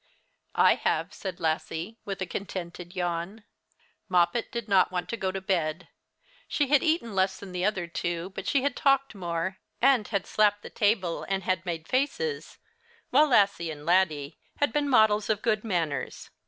"I have," said Lassie, with a contented yawn. Moppet did not want to go to bed. She had eaten less than the other two, but she had talked more, and had slapped the table, and had made faces, while Lassie and Laddie had been models of good manners.